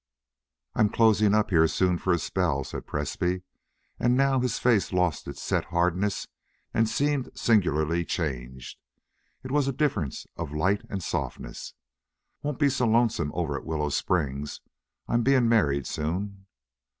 "I'm closing up here soon for a spell," said Presbrey, and now his face lost its set hardness and seemed singularly changed. It was a difference, of light and softness. "Won't be so lonesome over at Willow Springs.... I'm being married soon."